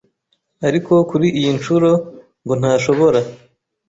ariko kuri iyi ncuro ngo ntashobora